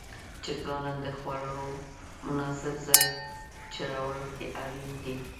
چرګانو ته د خوړلو مناسب ځای جوړول اړین دي.